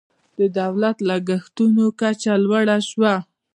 د دولت لګښتونو کچه لوړه شوه.